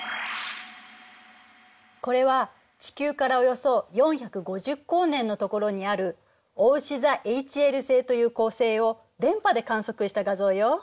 これは地球からおよそ４５０光年のところにあるおうし座ＨＬ星という恒星を電波で観測した画像よ。